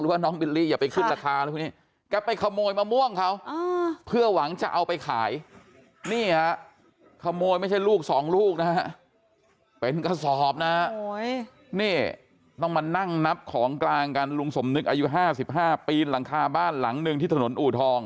หรือว่าน้องมิลลี่อย่าไปขึ้นราคาคุณพู่๐๒